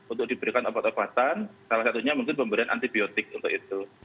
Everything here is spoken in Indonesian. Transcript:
untuk diberikan obat obatan salah satunya mungkin pemberian antibiotik untuk itu